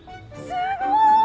すごい！